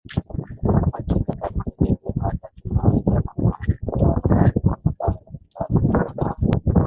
akini kama ilivyo ada tunanza na muhtasari wa habari